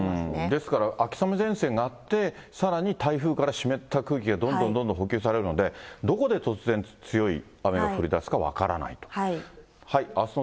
ですから秋雨前線があって、さらに台風から湿った空気がどんどんどんどん補給されるので、どこで突然、強い雨が降りだすか分からないと。